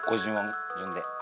５０音順で。